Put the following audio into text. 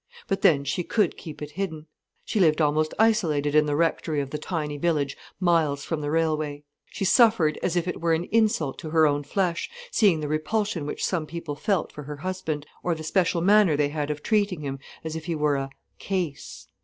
But then, she could keep it hidden. She lived almost isolated in the rectory of the tiny village miles from the railway. She suffered as if it were an insult to her own flesh, seeing the repulsion which some people felt for her husband, or the special manner they had of treating him, as if he were a "case".